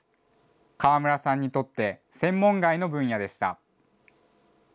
河村さんにとって、専門外の分野でした。